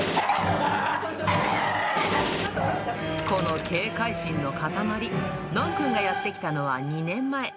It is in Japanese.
この警戒心の塊、ノンくんがやって来たのは２年前。